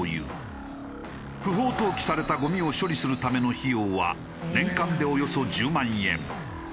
不法投棄されたゴミを処理するための費用は年間でおよそ１０万円。